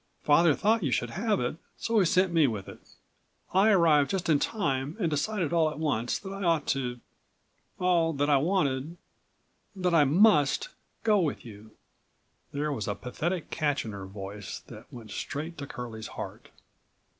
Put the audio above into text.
Father thought you should have it, so he sent me with it. I arrived just in time and decided all at once that I ought to—Oh, that I wanted—that I must go with you." There was a pathetic catch in her voice that went straight to Curlie's heart.